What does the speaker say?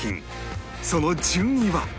その順位は？